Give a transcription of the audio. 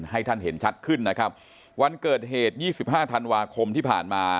ให้ท่านเห็นชัดขึ้นนะครับวันเกิดเหตุ๒๕ธันวาคมที่ผ่านมา